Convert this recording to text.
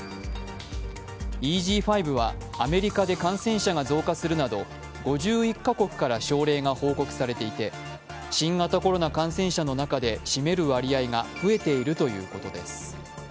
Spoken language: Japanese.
ＥＧ．５はアメリカで感染者が増加するなど５１か国から症例が報告されていて、新型コロナ感染者の中で占める割合が増えているということです。